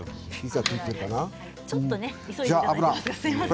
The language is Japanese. ちょっと急いでもらえますか？